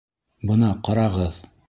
Бына ҡарағыҙ!